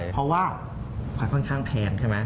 เพราะว่าควายค่อนข้างแพงใช่ไหม